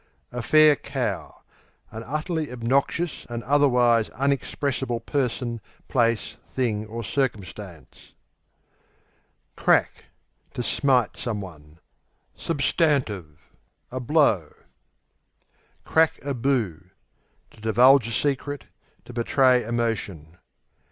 A fair cow An utterly obnoxious and otherwise unexpressible person, place, thing, or circumstance. Crack To smite. s. A blow. Crack a boo To divulge a secret; to betray emotion.